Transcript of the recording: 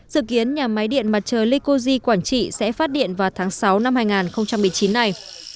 dự kiến nhà máy điện mặt trời lycosi quảng trị sẽ phát điện vào tháng sáu năm hai nghìn một mươi chín này